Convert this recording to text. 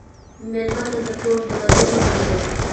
مېلمه ته د کور دروازې مه بندوه.